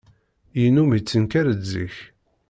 Yennum yettenkar-d zik.